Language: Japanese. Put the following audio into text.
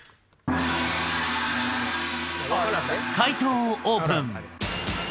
解答をオープン。